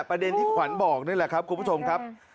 ประเด็นที่ขวัญบอกนี่แหละครับคุณผู้ชมครับ